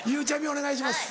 お願いします。